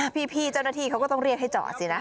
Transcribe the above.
พี่เจ้าหน้าที่เขาก็ต้องเรียกให้จอดสินะ